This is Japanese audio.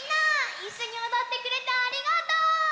いっしょにおどってくれてありがとう！